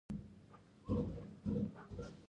عموما مجرم د هغه چا په برخه کې ډیر سخت ګیره دی